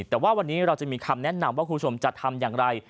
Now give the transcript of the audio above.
แต่ว่าวันนี้เราจะมีคำแนะนำว่าคุณผู้ชมจะทำอย่างไร